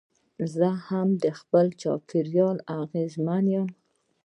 زه هم د خپل چاپېریال اغېزمن یم.